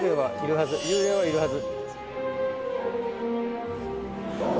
幽霊はいるはず。